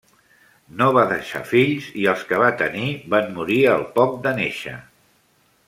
No va deixar fills, i els que va tenir van morir al poc de néixer.